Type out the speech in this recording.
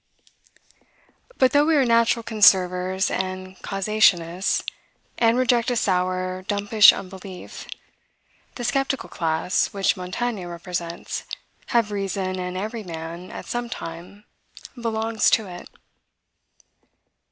But though we are natural conservers and causationists, and reject a sour, dumpish unbelief, the skeptical class, which Montaigne represents, have reason, and every man, at some time, belongs to it.